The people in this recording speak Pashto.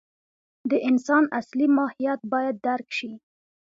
د انسان اصلي ماهیت باید درک شي.